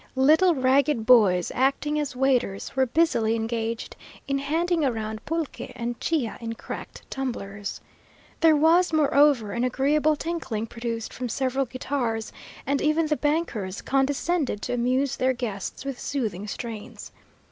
Little ragged boys, acting as waiters, were busily engaged in handing round pulque and chia in cracked tumblers. There was, moreover, an agreeable tinkling produced from several guitars, and even the bankers condescended to amuse their guests with soothing strains.